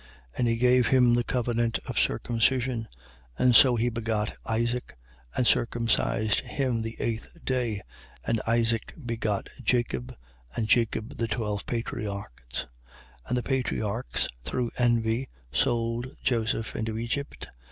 7:8. And he gave him the covenant of circumcision. And so he begot Isaac and circumcised him the eighth day: and Isaac begot Jacob: and Jacob, the twelve patriarchs. 7:9. And the patriarchs, through envy, sold Joseph into Egypt.